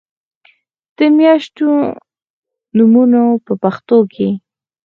د میاشتو نومونه په پښتو کې